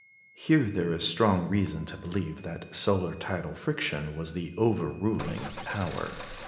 Here there is strong reason to believe that solar tidal friction was the overruling power.